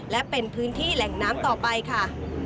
และเป็นพื้นที่แหล่งน้ำต่อไปค่ะ